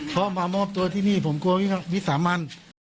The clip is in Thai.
เพราะมามอบตัวที่นี่ผมกลัววิสามัน